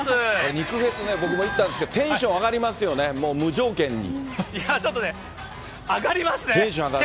肉フェスね、僕も行ったんですけど、テンション上がりますよいやー、ちょっとね、上がりテンション上がる。